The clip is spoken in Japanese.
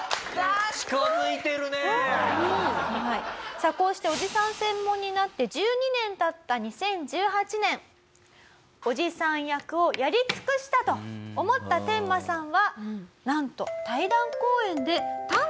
さあこうしておじさん専門になって１２年経った２０１８年おじさん役をやり尽くしたと思ったテンマさんはなんと。